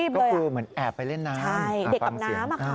ก็คือแบบแอบไปเล่นน้ำ